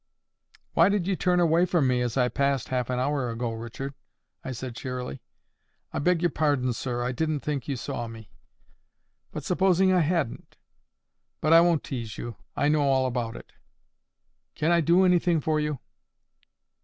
"Why did you turn away from me, as I passed half an hour ago, Richard?" I said, cheerily. "I beg your pardon, sir. I didn't think you saw me." "But supposing I hadn't?—But I won't tease you. I know all about it. Can I do anything for you?"